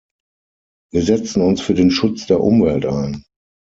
Wir setzen uns für den Schutz der Umwelt ein.